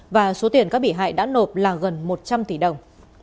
và số tiền các bị hại đã nộp là gần một trăm linh tỷ đồng